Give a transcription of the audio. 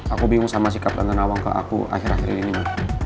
aku bingung sama si kapten nawang ke aku akhir akhir ini ma